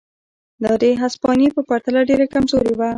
دا د هسپانیې په پرتله ډېره کمزورې وه.